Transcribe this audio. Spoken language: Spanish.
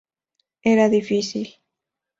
Era difícil.